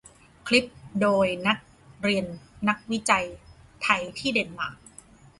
คลิปโดยนักเรียนนักวิจัยไทยที่เดนมาร์ก